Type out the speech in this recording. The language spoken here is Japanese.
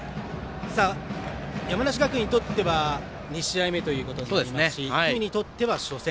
山梨学院にとっては２試合目ということになりますし氷見にとっては初戦。